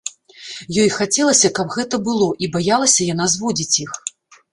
Ёй хацелася, каб гэта было, і баялася яна зводзіць іх.